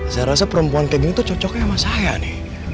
saya rasa perempuan kayak gini tuh cocoknya sama saya nih